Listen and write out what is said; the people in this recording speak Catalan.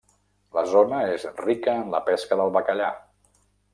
La zona és rica en la pesca del bacallà.